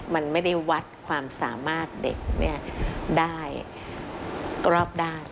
มันไม่ได้วัดความสามารถเด็กได้รอบได้